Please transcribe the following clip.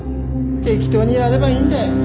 適当にやればいいんだよ。